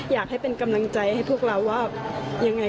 อยากให้เป็นกำลังใจให้พวกเราว่ายังไง